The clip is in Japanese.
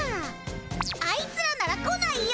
あいつらなら来ないよ。